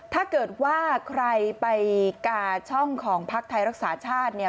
ถ้าเกิดว่าใครไปกาช่องของพักไทยรักษาชาติเนี่ย